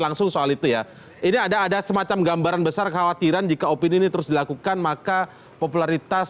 langsung soal itu ya ini ada ada semacam gambaran besar kekhawatiran jika opini ini terus dilakukan maka popularitas